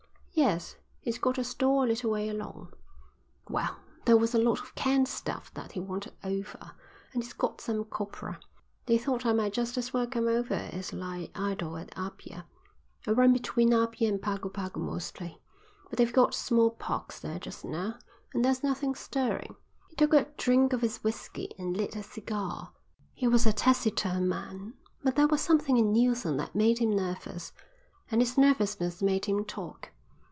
"Yes, he's got a store a little way along." "Well, there was a lot of canned stuff that he wanted over, an' he's got some copra. They thought I might just as well come over as lie idle at Apia. I run between Apia and Pago Pago mostly, but they've got smallpox there just now, and there's nothing stirring." He took a drink of his whisky and lit a cigar. He was a taciturn man, but there was something in Neilson that made him nervous, and his nervousness made him talk.